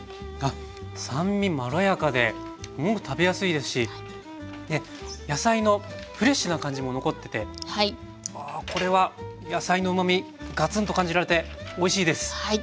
酸味まろやかですごく食べやすいですしで野菜のフレッシュな感じも残っててあこれは野菜のうまみガツンと感じられておいしいです。